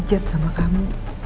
yang sederajat sama kamu